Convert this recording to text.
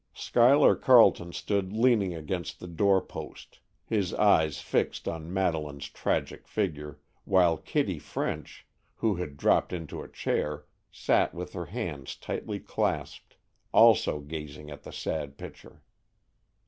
Schuyler Carleton stood leaning against the doorpost, his eyes fixed on Madeleine's tragic figure, while Kitty French, who had dropped into a chair, sat with her hands tightly clasped, also gazing at the sad picture.